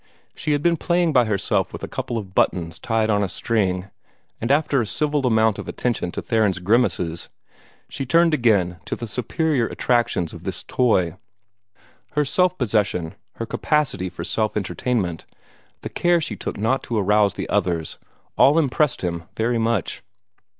She had been playing by herself with a couple of buttons tied on a string, and after giving a civil amount of attention to Theron's grimaces, she turned again to the superior attractions of this toy. Her self possession, her capacity for self entertainment, the care she took not to arouse the others, all impressed him very much.